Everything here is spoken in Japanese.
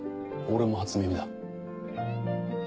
俺も初耳だ。